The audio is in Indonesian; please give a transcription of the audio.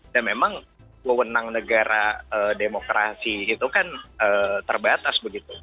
dan memang kewenang negara demokrasi itu kan terbatas begitu